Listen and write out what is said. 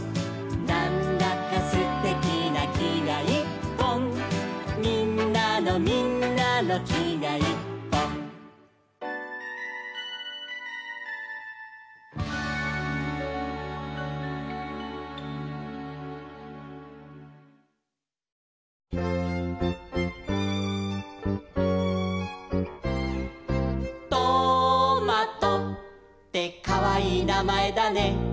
「なんだかすてきなきがいっぽん」「みんなのみんなのきがいっぽん」「トマトってかわいいなまえだね」